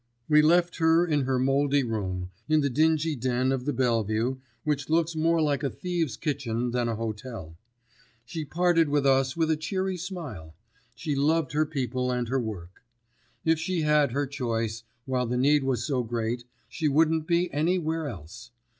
We left her in her mouldy room, in the dingy den of the Bellevue, which looks more like a thieves' kitchen than a hotel. She parted with us with a cheery smile—she loved her people and her work. If she had her choice, while the need was so great, she wouldn't be anywhere else.